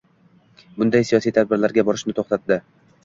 bunday siyosiy tadbirlarga borishni to‘xtatdi